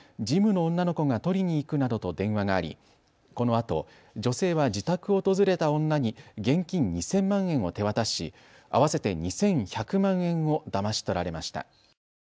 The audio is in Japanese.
事務の女の子が取りに行くなどと電話がありこのあと女性は自宅を訪れた女に現金２０００万円を手渡し合わせて２１００万円をだまし取られました。